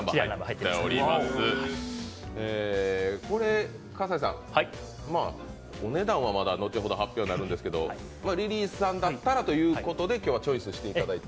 これは、お値段は後ほど発表になるんですけど、リリーさんだったらということで、今日はチョイスしていただいた？